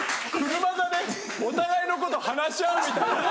車座でお互いのこと話し合うみたいな。